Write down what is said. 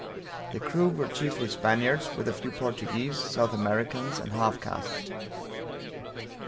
The crew were chiefly Spaniards, with a few Portuguese, South Americans, and half castes.